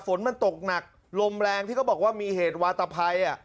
ฝนมันตกหนักลมแรงที่เขาบอกว่ามีเหตุวาตภัย